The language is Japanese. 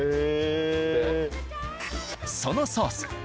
そのソース